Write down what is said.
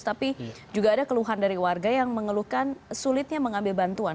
tapi juga ada keluhan dari warga yang mengeluhkan sulitnya mengambil bantuan